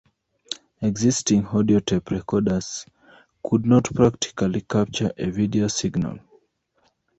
Existing audio tape recorders could not practically capture a video signal.